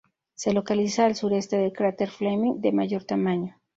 Se localiza al sureste del cráter Fleming de mayor tamaño.